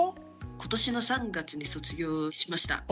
今年の３月に卒業しました。